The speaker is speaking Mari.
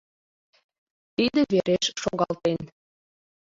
Тиде вереш шогалтен.